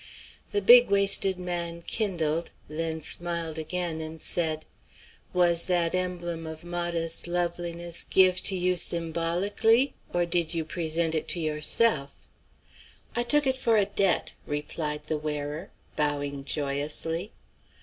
The big waisted man kindled, then smiled again, and said: "Was that emblem of modest loveliness give' to you symbolically, or did you present it to yourself?" "I took it for a debt," replied the wearer, bowing joyously.